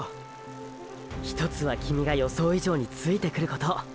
ひとつはキミが予想以上についてくること！！